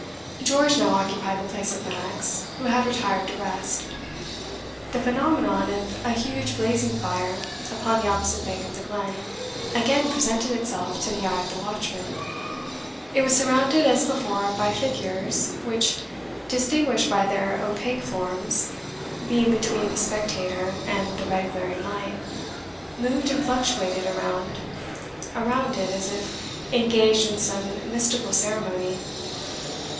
George now occupied the place of Max, who had retired to rest. The phenomenon of a huge blazing fire, upon the opposite bank of the glen, again presented itself to the eye of the watchman. It was surrounded as before by figures, which, distinguished by their opaque forms, being between the spectator and the red glaring light, moved and fluctuated around it as if engaged in some mystical ceremony.